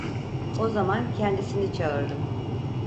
O zaman kendisini çağırdım: